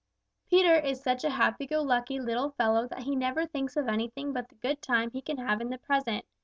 Peter is such a happy go lucky little fellow that he never thinks of anything but the good time he can have in the present.